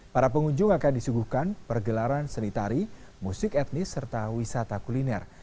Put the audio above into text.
para pengunjung akan disuguhkan pergelaran seni tari musik etnis serta wisata kuliner